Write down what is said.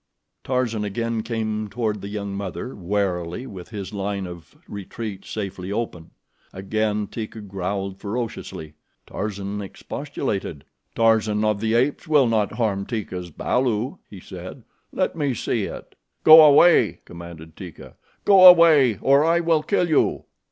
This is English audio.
Tarzan again came toward the young mother warily and with his line of retreat safely open. Again Teeka growled ferociously. Tarzan expostulated. "Tarzan of the Apes will not harm Teeka's balu," he said. "Let me see it." "Go away!" commanded Teeka. "Go away, or I will kill you."